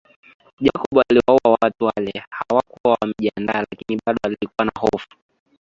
Jacob aliwaua watu wale hawakuwa wamejiandaa lakini bado alikuwa na hofu